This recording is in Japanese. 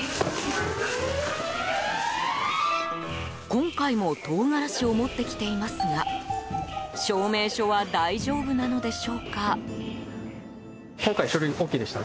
今回も唐辛子を持ってきていますが証明書は大丈夫なのでしょうか。